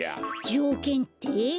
じょうけんって？